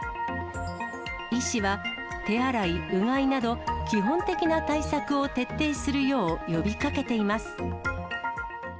医師は手洗い、うがいなど、基本的な対策を徹底するよう呼びかけています。